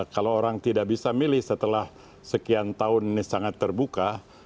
kalau orang tidak bisa milih setelah sekian tahun ini sangat terbuka